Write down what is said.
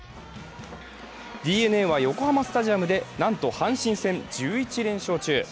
ＤｅＮＡは横浜スタジアムでなんと阪神戦１１連勝中。